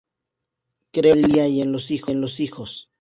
Creo en la familia y en los hijos.